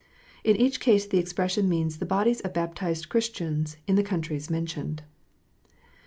In each case the expression means the bodies of baptized Christians in the countries mentioned.